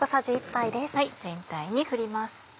全体に振ります。